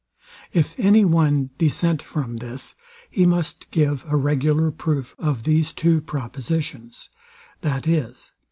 If any one dissent from this, he must give a regular proof of these two propositions, viz.